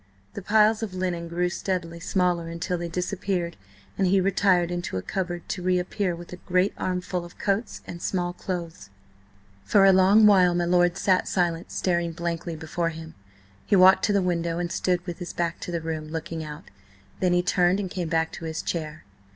The piles of linen grew steadily smaller until they disappeared, and he retired into a cupboard to reappear with a great armful of coats and small clothes. For a long while my lord sat silent staring blankly before him. He walked to the window and stood with his back to the room, looking out, then he turned and came back to his chair.